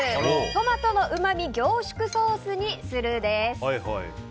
トマトのうま味凝縮ソースにするです。